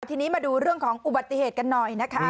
ทีนี้มาดูเรื่องของอุบัติเหตุกันหน่อยนะคะ